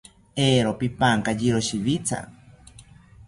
Eero pipankayiro shiwita